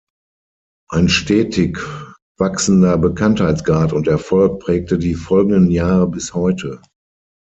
Ein stetig wachsender Bekanntheitsgrad und Erfolg prägte die folgenden Jahre bis heute.